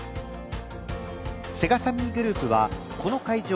セガサミーグループはこの会場